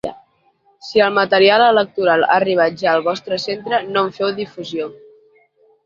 Si el material electoral ha arribat ja al vostre centre no en feu difusió.